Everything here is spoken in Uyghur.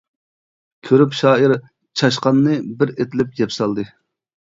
كۆرۈپ شائىر چاشقاننى، بىر ئېتىلىپ يەپ سالدى.